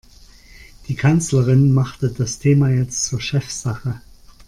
Die Kanzlerin machte das Thema jetzt zur Chefsache.